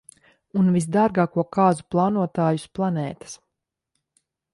Un visdārgāko kāzu plānotāju uz planētas.